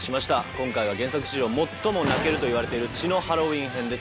今回は原作史上最も泣けるといわれている血のハロウィン編です。